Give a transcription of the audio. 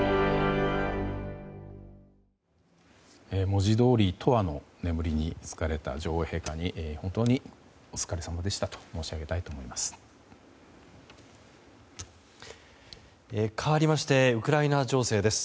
文字どおりとわの眠りにつかれた女王陛下に本当にお疲れさまでしたと申し上げたいと思います。